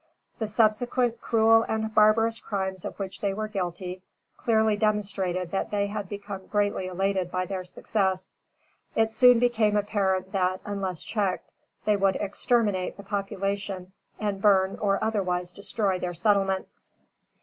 The subsequent cruel and barbarous crimes of which they were guilty, clearly demonstrated that they had become greatly elated by their success. It soon became apparent that, unless checked, they would exterminate the population and burn or otherwise destroy their settlements.